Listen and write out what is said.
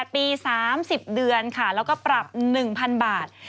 ๘ปี๓๐เดือนค่ะแล้วก็ปรับ๑๐๐๐บาท